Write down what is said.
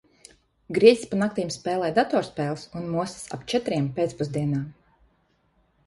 Grieķis pa naktīm spēlē datorspēles un mostas ap četriem pēcpusdienā.